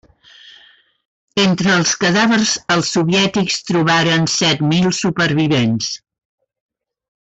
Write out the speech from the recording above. Entre els cadàvers els soviètics trobaren set mil supervivents.